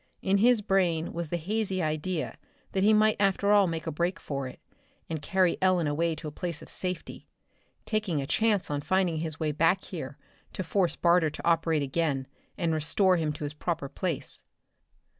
In his brain was the hazy idea that he might after all make a break for it, and carry Ellen away to a place of safety, taking a chance on finding his way back here to force Barter to operate again and restore him to his proper place.